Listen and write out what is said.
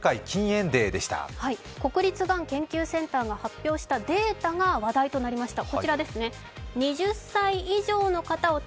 国立がん研究センターが発表したデータが話題となりました。